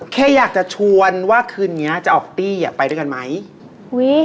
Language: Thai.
แค่อยากจะชวนว่าคืนเนี้ยจะออกตี้อะไปด้วยกันไหมอุ้ย